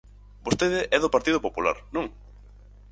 Vostede é do Partido Popular, ¿non?